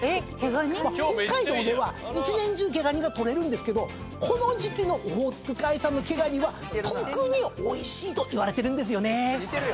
「北海道では一年中毛ガニが捕れるんですけどこの時季のオホーツク海産の毛ガニは特においしいといわれてるんですよね」